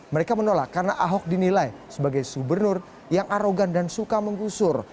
mereka menolak karena ahok dinilai sebagai sumber yang arogan dan suka menggusur